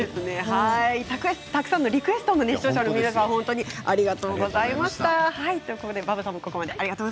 たくさんのリクエスト視聴者の皆さんありがとうございました。